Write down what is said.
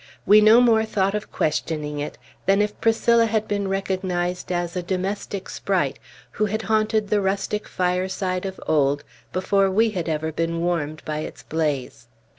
We no more thought of questioning it, than if Priscilla had been recognized as a domestic sprite, who had haunted the rustic fireside of old, before we had ever been warmed by its blaze.